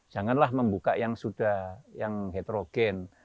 janganlah membuka yang sudah yang heterogen